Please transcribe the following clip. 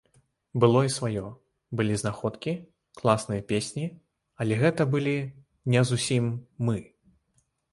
Было і сваё, былі знаходкі, класныя песні, але гэта былі не зусім мы.